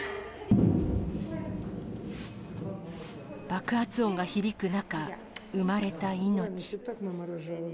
爆発音が響く中、産まれた命。